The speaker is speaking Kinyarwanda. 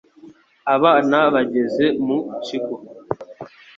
Abana bageze mu kigo,